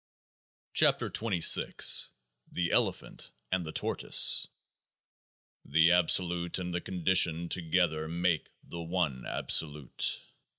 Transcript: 35 KEOAAH KF THE ELEPHANT AND THE TORTOISE The Absolute and the Conditioned together make The One Absolute.